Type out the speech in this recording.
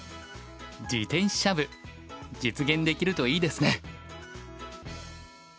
自転車部実現できるといいですね！